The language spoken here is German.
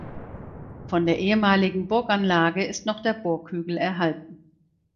Von der ehemaligen Burganlage ist noch der Burghügel erhalten.